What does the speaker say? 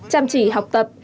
chăm chỉ học tập